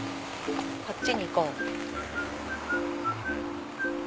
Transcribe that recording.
こっちに行こう。